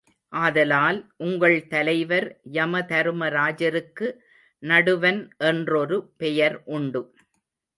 ஆதலால், உங்கள் தலைவர் யமதரும ராஜருக்கு நடுவன் என்றொரு பெயர் உண்டு.